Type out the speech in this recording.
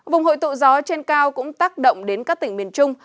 vùng hội tụ gió trên cao cũng tác động đến các tỉnh miền trung